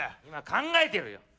今考えてるよ！